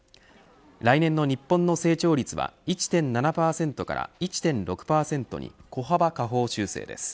来年の日本の成長率は１．７％から１．６％に小幅下方修正です